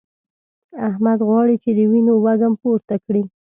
احمد غواړي چې د وينو وږم پورته کړي.